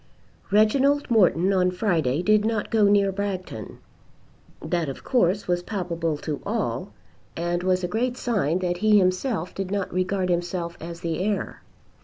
Reginald Morton on Friday did not go near Bragton. That of course was palpable to all, and was a great sign that he himself did not regard himself as the heir.